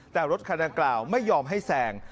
แต่รถคันดังกล่าวไม่ยอมให้แสง